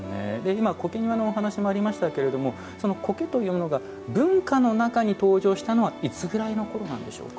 今、苔庭のお話がありましたけれどもその苔というのが文化の中に登場したのはいつぐらいのころなんでしょうか。